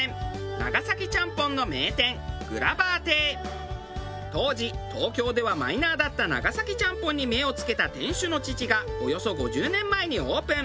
長崎ちゃんぽんの名店当時東京ではマイナーだった長崎ちゃんぽんに目を付けた店主の父がおよそ５０年前にオープン。